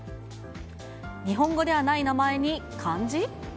日本語ではない名前に漢字？